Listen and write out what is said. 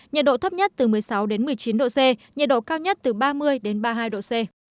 nhiệt độ thấp nhất từ một mươi sáu đến một mươi chín độ c nhiệt độ cao nhất từ ba mươi đến ba mươi hai độ c